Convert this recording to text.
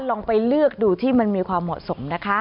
ลองไปเลือกดูที่มันมีความเหมาะสมนะคะ